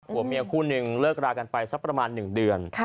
หัวเมียคู่หนึ่งเลิกรากันไปสักประมาณ๑เดือน